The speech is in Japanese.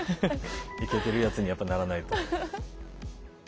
イケてるやつにやっぱならないと。